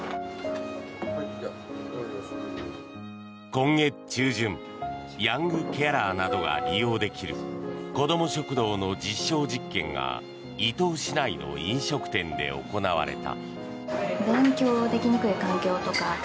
今月中旬ヤングケアラーなどが利用できる子ども食堂の実証実験が伊東市内の飲食店で行われた。